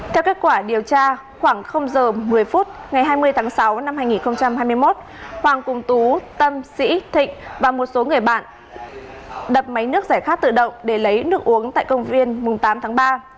theo kết quả điều tra khoảng giờ một mươi phút ngày hai mươi tháng sáu năm hai nghìn hai mươi một hoàng cùng tú tâm sĩ thịnh và một số người bạn đập máy nước giải khát tự động để lấy nước uống tại công viên mùng tám tháng ba